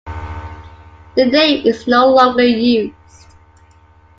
The name is no longer used.